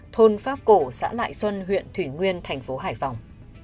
thôn pháp cổ xã lại xuân huyện thủy nguyên thành phố hải phòng